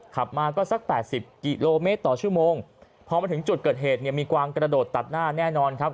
ขับมาก็สักแปดสิบกิโลเมตรต่อชั่วโมงพอมาถึงจุดเกิดเหตุเนี่ยมีกวางกระโดดตัดหน้าแน่นอนครับ